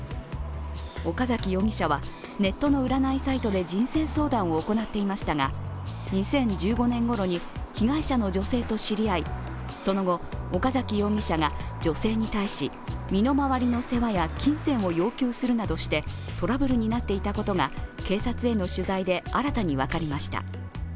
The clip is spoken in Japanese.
岡崎容疑者はネットの占いサイトで人生相談を行っていましたが２０１５年ごろに被害者の女性と知り合いその後、岡崎容疑者が女性に対し、身の回りの世話や金銭を要求するなどしてトラブルになっていたことが警察への取材で新たに分かりました。